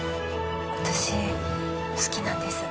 私好きなんです